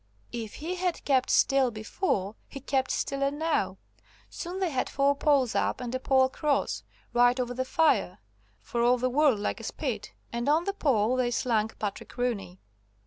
If he had kept still before, he kept stiller now. Soon they had four poles up and a pole across, right over the fire, for all the world like a spit, and on to the pole they slung Patrick Rooney.